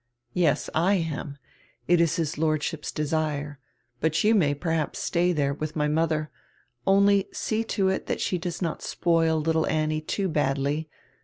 "Yes, I anr. It is his Lordship's desire. But you may perhaps stay there, with my mother. Only see to it that she does not spoil little Annie too hadly.